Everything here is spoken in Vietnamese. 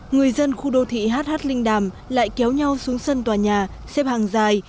người dân khu đô thị hh linh đàm lại kéo nhau xuống sân tòa nhà xếp hàng dài